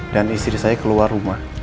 dan istri saya keluar rumah